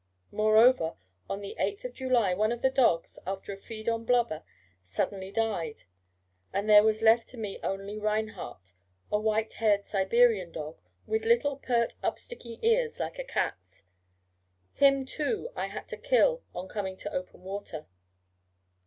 Moreover, on the 8th July, one of the dogs, after a feed on blubber, suddenly died; and there was left me only 'Reinhardt,' a white haired Siberian dog, with little pert up sticking ears, like a cat's. Him, too, I had to kill on coming to open water.